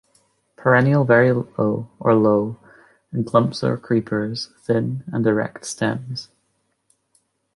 Perennial very low or low, in clumps or creepers; thin and erect stems.